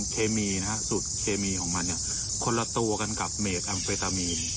เคมีนะฮะสูตรเคมีของมันเนี่ยคนละตัวกันกับเมดแอมเฟตามีน